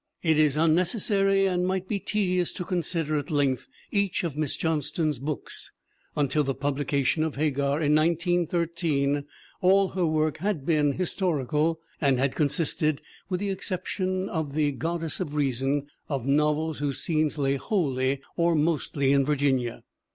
It is unnecessary and might be tedious to consider at length each of Miss Johnston's books. Until the publication of Hagar in 1913 all her work had been, MARY JOHNSTON 145 historical and had consisted, with the exception of The Goddess of Reason, of novels whose scenes lay wholly or mostly in Virginia.